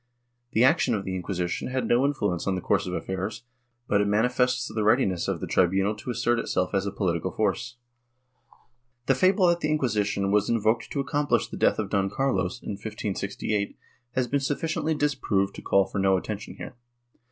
^ The action of the Inquisition had no influence on the course of affairs, but it manifests the readiness of the tribunal to assert itself as a political force. The fable that the Inquisition was invoked to accomplish the death of Don Carlos, in 1568, has been sufficiently disproved to call for no attention here.